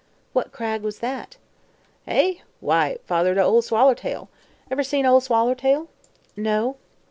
"What Cragg was that?" "Eh? Why, father to Ol' Swallertail. Ever seen Ol' Swallertail?" "No."